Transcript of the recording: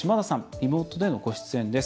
リモートでのご出演です。